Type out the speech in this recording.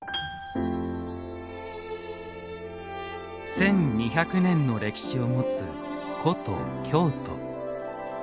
１２００年の歴史を持つ古都・京都。